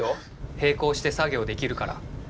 並行して作業できるから。